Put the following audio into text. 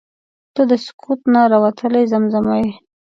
• ته د سکوت نه راوتلې زمزمه یې.